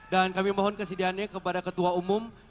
dan kami mohon kesidiannya kepada ketua umum